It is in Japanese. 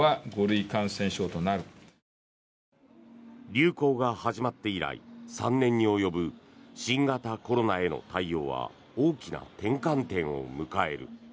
流行が始まって以来３年に及ぶ新型コロナへの対応は大きな転換点を迎える。